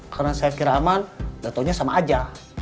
karena saya kira aman gak taunya sama aja